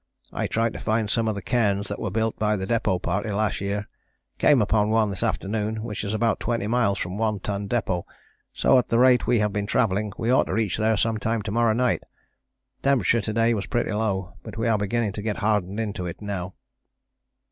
I tried to find some of the Cairns that were built by the Depôt Party last year, came upon one this afternoon which is about 20 miles from One Ton Depôt, so at the rate we have been travelling we ought to reach there some time to morrow night. Temperature to day was pretty low, but we are beginning to get hardened into it now.